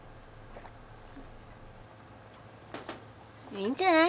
いいんじゃない？